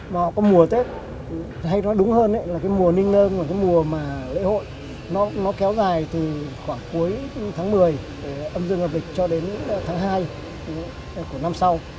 nó có mùa tết hay nói đúng hơn là cái mùa ninh nơm và cái mùa mà lễ hội nó kéo dài từ khoảng cuối tháng một mươi âm dương là lịch cho đến tháng hai của năm sau